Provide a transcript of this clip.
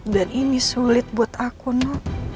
dan ini sulit buat aku no